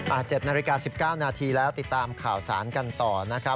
๗นาฬิกา๑๙นาทีแล้วติดตามข่าวสารกันต่อนะครับ